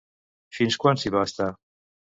Fins quan s'hi va estar?